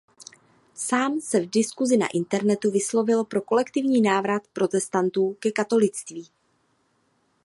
Sám se v diskusi na internetu vyslovil pro kolektivní návrat protestantů ke katolictví.